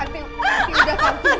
dia suami bodoh